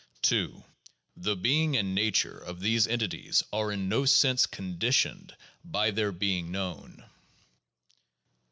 2. The being and nature of these entities are in no sense condi tioned by their being known.